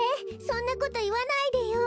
そんなこといわないでよ！